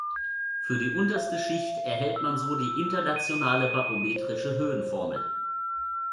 Für die unterste Schicht erhält man so die internationale barometrische Höhenformel.